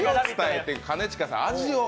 兼近さん、味を。